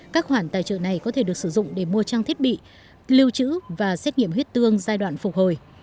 các khoản tài trợ này có thể được sử dụng để mua trang thiết bị lưu trữ và xét nghiệm huyết tương giai đoạn phục hồi